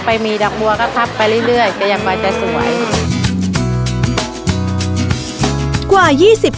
พี่ดาขายดอกบัวมาตั้งแต่อายุ๑๐กว่าขวบ